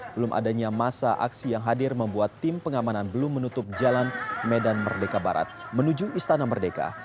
belum adanya masa aksi yang hadir membuat tim pengamanan belum menutup jalan medan merdeka barat menuju istana merdeka